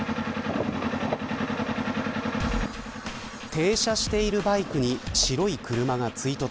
停車しているバイクに白い車が追突。